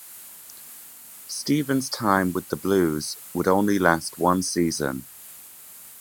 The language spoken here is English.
Stevens' time with the Blues would only last one season.